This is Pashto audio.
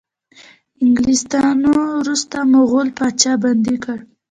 انګلیسانو وروستی مغول پاچا بندي کړ.